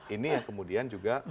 ini kemudian juga